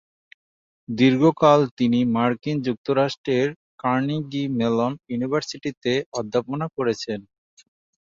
দীর্ঘকাল তিনি মার্কিন যুক্তরাষ্ট্রের কার্নেগী মেলন ইউনিভার্সিটিতে অধ্যাপনা করেছেন।